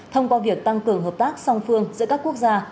thông qua việc tăng cường hợp tác song phương giữa các quốc gia